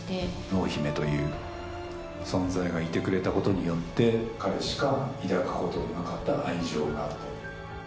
濃姫という存在がいてくれたことによって、彼しか抱くことのなかった愛情があった。